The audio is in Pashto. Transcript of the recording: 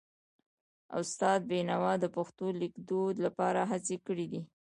استاد بینوا د پښتو لیکدود لپاره هڅې کړې دي.